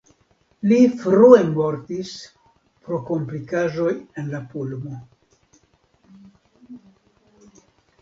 Li frue mortis pro komplikaĵoj en la pulmo.